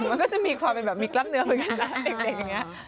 มันก็จะมีความมีกล้ามเนื้อเหมือนกันละ